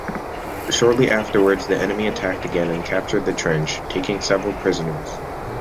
Shortly afterwards the enemy attacked again and captured the trench, taking several prisoners.